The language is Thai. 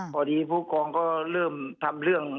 ผู้กองก็เริ่มทำเรื่อง